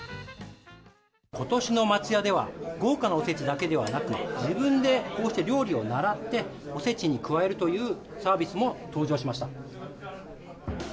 今年の松屋では豪華なおせちだけではなく自分でこうして料理を習っておせちに加えるというサービスも登場しました。